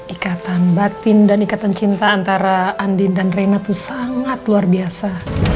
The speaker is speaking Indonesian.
ikatan batin dan ikatan cinta antara andin dan reina itu sangat luar biasa